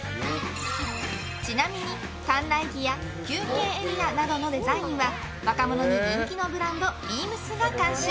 ちなみに館内着や休憩エリアなどのデザインは若者に人気のブランドＢＥＡＭＳが監修。